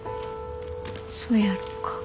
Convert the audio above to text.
そやろか。